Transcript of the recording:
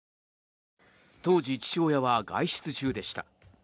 当時、父親は外出中でした。